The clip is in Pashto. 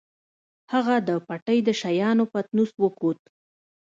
هغه د پټۍ د شيانو پتنوس وکوت.